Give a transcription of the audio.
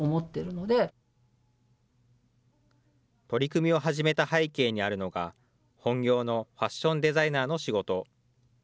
取り組みを始めた背景にあるのが、本業のファッションデザイナーの仕事。